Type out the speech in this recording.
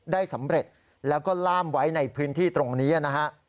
ได้สำเร็จแล้วก็ล่ามไว้ในพื้นที่ตรงนี้นะฮะ